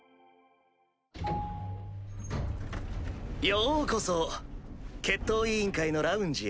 ようこそ決闘委員会のラウンジへ。